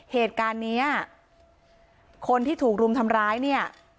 เหตุการณ์เนี้ยคนที่ถูกรุมทำร้ายเนี่ย